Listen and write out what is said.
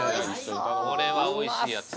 これはおいしいやつ。